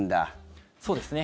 そうですね。